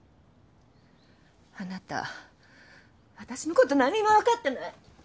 あなた私のこと何にもわかってない。